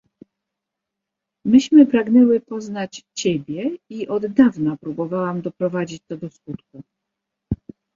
"Myśmy pragnęły poznać ciebie, i od dawna próbowałam doprowadzić to do skutku."